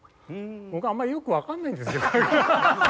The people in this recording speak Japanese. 僕あんまりよくわかんないんですよ。